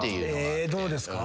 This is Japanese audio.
どうですか？